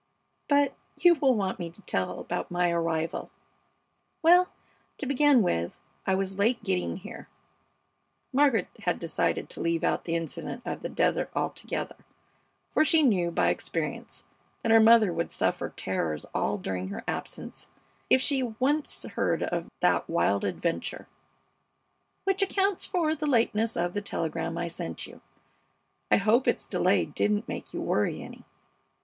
But you will want me to tell about my arrival. Well, to begin with, I was late getting here [Margaret had decided to leave out the incident of the desert altogether, for she knew by experience that her mother would suffer terrors all during her absence if she once heard of that wild adventure], which accounts for the lateness of the telegram I sent you. I hope its delay didn't make you worry any.